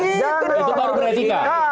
itu baru beresika